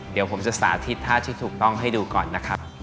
เดี๋ยวผมจะสาธิตท่าที่ถูกต้องให้ดูก่อนนะครับ